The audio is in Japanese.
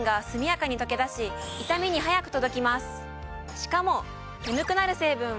しかも。